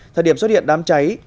thời điểm xuất hiện đám cháy